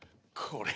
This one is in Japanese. これ。